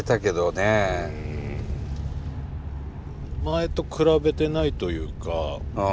前と比べてないというか。